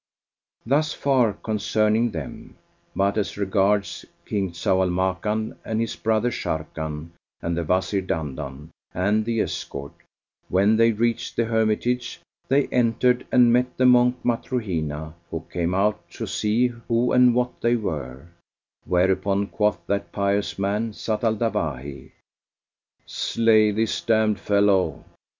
Thus far concerning them; but as regards King Zau al Makan and his brother Sharrkan and the Wazir Dandan and the escort, when they reached the hermitage they entered and met the Monk Matruhina, who came out to see who and what they were; whereupon quoth that pious man Zat al Dawahi, "Slay this damned fellow."